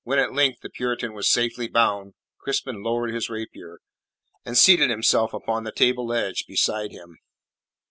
When at length the Puritan was safely bound, Crispin lowered his rapier, and seated himself upon the table edge beside him.